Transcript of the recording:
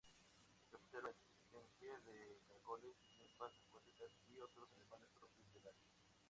Se observa la existencia de caracoles, ninfas acuáticas y otros animales propios del área.